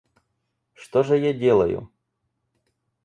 Что же я делаю?